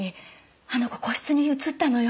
あの子個室に移ったのよ。